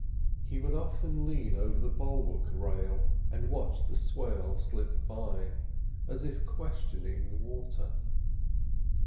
He would often lean over the bulwark rail and watch the swell slip by, as if questioning the water.